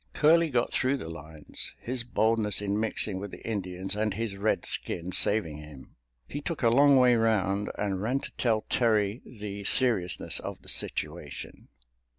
Curley got through the lines—his boldness in mixing with the Indians and his red skin saving him. He took a long way round and ran to tell Terry the seriousness of the situation.